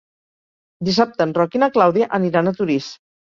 Dissabte en Roc i na Clàudia aniran a Torís.